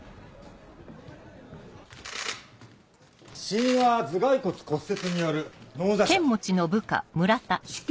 死因は頭蓋骨骨折による脳挫傷。